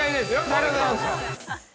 ◆ありがとうございます。